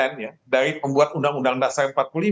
dari pembuat undang undang dasar empat puluh lima